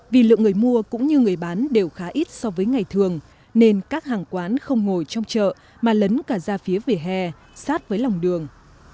vì lượng người mua cũng như người bán đều khá ít so với ngày thường nên các hàng quán không ngồi trong chợ mà lấn cả ra phía vỉa hè sát với lòng đường